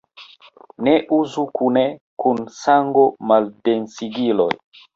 Ne uzu kune kun sango-maldensigiloj.